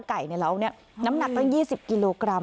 ไก่เนี่ยเราเนี่ยน้ำหนักก็๒๐กิโลกรัม